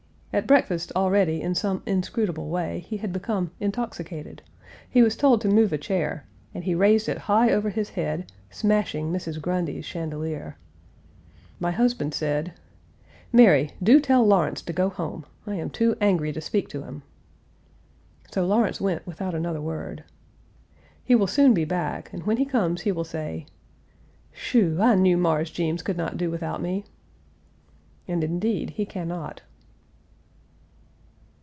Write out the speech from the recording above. At breakfast already in some inscrutable way he had become intoxicated; he was told to move a chair, and he raised it high over his head, smashing Mrs. Grundy's chandelier. My husband said : "Mary, do tell Lawrence to go home; I am too angry to speak to him." So Lawrence went without another word. He will soon be back, and when he comes will say, "Shoo!! I knew Mars Jeems could not do without me." And indeed he can not.